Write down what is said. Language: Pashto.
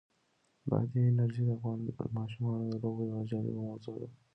بادي انرژي د افغان ماشومانو د لوبو یوه جالبه موضوع ده.